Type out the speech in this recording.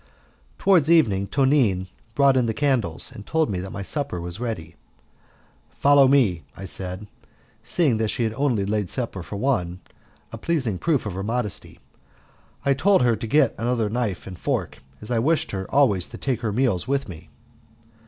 Towards evening Tonine brought in the candles, and told me that my supper was ready. "Follow me," I said. Seeing that she had only laid supper for one a pleasing proof of her modesty, I told her to get another knife and fork, as I wished her always to take her meals with me.